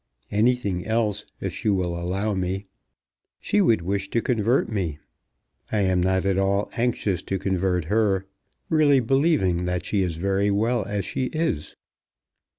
"Anything else, if she will allow me. She would wish to convert me. I am not at all anxious to convert her, really believing that she is very well as she is."